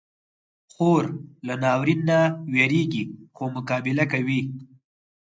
خور له ناورین نه وېریږي، خو مقابله کوي.